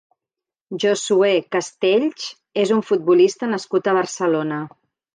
Josué Castells és un futbolista nascut a Barcelona.